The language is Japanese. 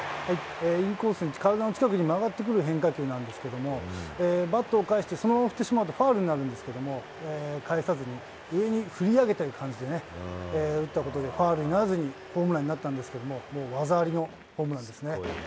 インコースに、体の近くに曲がってくる変化球なんですけども、バットを返してそのまま振ってしまうと、ファウルになるんですけれども、返さずに上に振り上げてる感じでね、打ったことで、ファウルにならずにホームランになったんですけども、もう技ありのホームランですね。